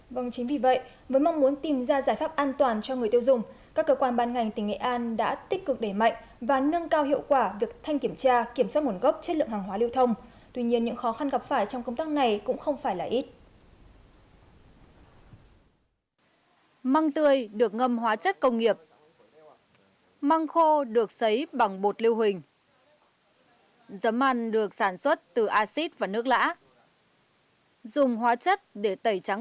vâng chính vì vậy với mong muốn tìm ra giải pháp an toàn cho người tiêu dùng các cơ quan ban ngành tỉnh nghệ an đã tích cực đẩy mạnh và nâng cao hiệu quả việc thanh kiểm tra kiểm soát nguồn gốc chất lượng hàng hóa lưu thông